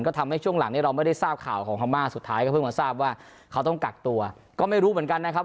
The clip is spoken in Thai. ก็ทำให้ช่วงหลังนี้เราไม่ได้ทราบข่าวของพม่าสุดท้ายก็เพิ่งมาทราบว่าเขาต้องกักตัวก็ไม่รู้เหมือนกันนะครับ